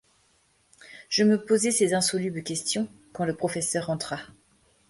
Je me posais ces insolubles questions, quand le professeur entra.